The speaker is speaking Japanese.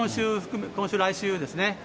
今週、来週ですね。